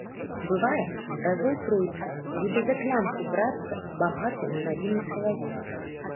Бывае, разоў тройчы будзе за клямку брацца багаты на навіны чалавек.